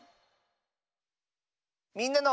「みんなの」。